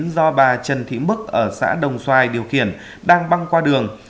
do bà trần thị mức ở xã đồng xoài điều khiển đang băng qua đường